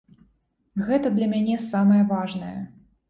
Гэта для мяне самае важнае.